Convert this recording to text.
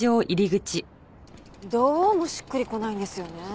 どうもしっくりこないんですよね。